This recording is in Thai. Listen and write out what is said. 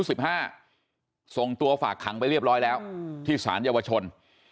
ส่งตัวฝากขังไปเรียบร้อยแล้วที่สารเยาวชน